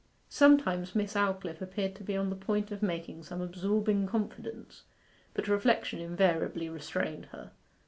Sometimes Miss Aldclyffe appeared to be on the point of making some absorbing confidence, but reflection invariably restrained her.